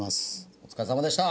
お疲れさまでした！